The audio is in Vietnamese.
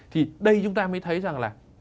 thì đây chúng ta mới thấy rằng là